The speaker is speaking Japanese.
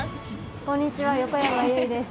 こんにちは横山由依です。